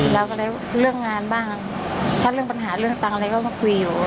ถ้าเรื่องปัญหาเรื่องเงินก็คุยอยู่